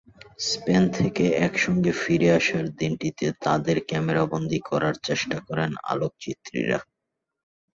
Spain থেকে একসঙ্গে ফিরে আসার দিনটিতে তাঁদের ক্যামেরাবন্দী করার চেষ্টা করেন আলোকচিত্রীরা।